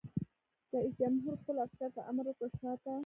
رئیس جمهور خپلو عسکرو ته امر وکړ؛ شاته!